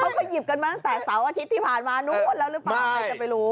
เขาก็หยิบกันมาตั้งแต่เสาร์อาทิตย์ที่ผ่านมานู้นแล้วหรือเปล่าใครจะไปรู้